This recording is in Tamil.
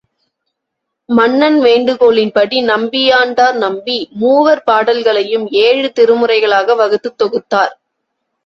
மன்னன் வேண்டுகோளின்படி, நம்பியாண்டார் நம்பி, மூவர் பாடல்களையும் ஏழு திருமுறைகளாக வகுத்துத் தொகுத்தார்.